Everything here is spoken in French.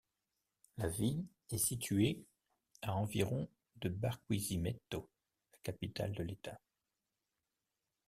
La ville est située à environ de Barquisimeto, la capitale de l'État.